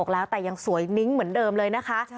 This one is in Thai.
แล้วแต่ยังสวยนิ้งเหมือนเดิมเลยนะคะ